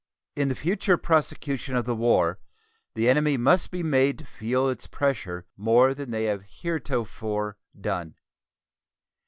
In the future prosecution of the war the enemy must be made to feel its pressure more than they have heretofore done.